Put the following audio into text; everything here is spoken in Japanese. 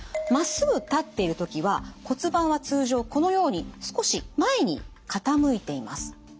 まっすぐ立っている時は骨盤は通常このように少し前に傾いています。